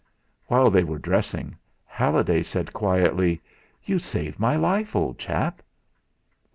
While they were dressing, Halliday said quietly, "You saved my life, old chap!"